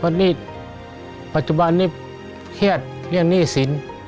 เพราะนี่ปัจจุบันนี้เครียดเรื่องหนี้สิน